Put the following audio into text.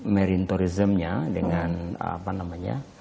marine tourism nya dengan apa namanya